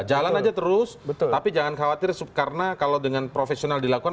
jalan aja terus tapi jangan khawatir karena kalau dengan profesional dilakukan